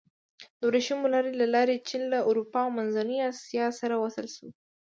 د ورېښمو لارې له لارې چین له اروپا او منځنۍ اسیا سره وصل شو.